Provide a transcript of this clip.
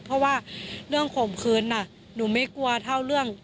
เพราะว่าเรื่องข่มขืนหนูไม่กลัวเท่าเรื่อง